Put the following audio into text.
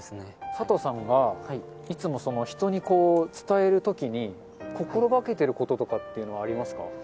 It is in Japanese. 佐藤さんが、いつも人に伝えるときに、心がけてることとかっていうのはありますか？